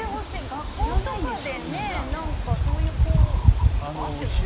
学校とかでねなんかそういう講義とかあってもよさそう。